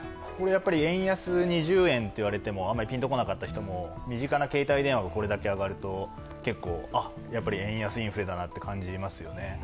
やはり円安２０円といわれても、あまりピンとこなかった人も身近な携帯電話がこれだけ上がると、結構、円安インフレだなと感じますよね。